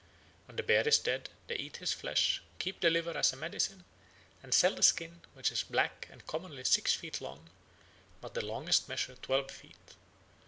When the bear is dead they eat his flesh, keep the liver as a medicine, and sell the skin, which is black and commonly six feet long, but the longest measure twelve feet.